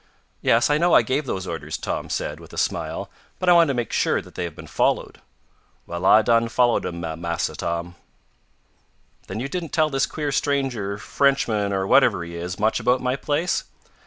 "Yes, I know I gave those orders," Tom said, with a smile, "but I want to make sure that they have been followed." "Well, I done follered 'em, Massa Tom." "Then you didn't tell this queer stranger, Frenchman, or whatever he is, much about my place?"